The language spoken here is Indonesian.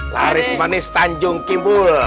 laris manis tanjung kimbul